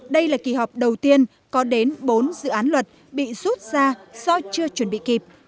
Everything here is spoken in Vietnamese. đây là kỳ họp đầu tiên có đến bốn dự án luật bị rút ra do chưa chuẩn bị kịp